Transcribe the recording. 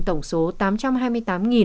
và tăng lên đến một